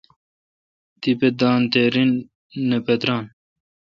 تیپہ دان تے رن نہ پتران۔